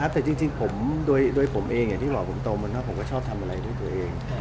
ไม่อะครับแต่จริงผมด้วยผมเองที่หล่อผมโตมน่ะผมก็ชอบทำอะไรด้วยตัวเอง